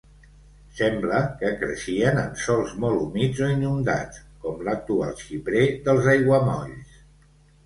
Sembla que creixien en sòls molt humits o inundats, com l'actual xiprer dels aiguamolls.